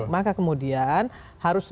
maka kemudian harus